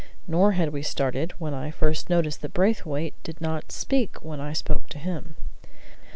Nor had we started when I first noticed that Braithwaite did not speak when I spoke to him.